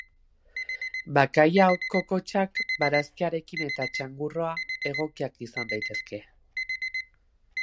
Bakailao kokotxak barazkiarekin eta txangurroa egokiak izan daitezke.